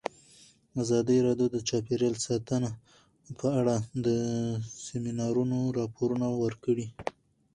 ازادي راډیو د چاپیریال ساتنه په اړه د سیمینارونو راپورونه ورکړي.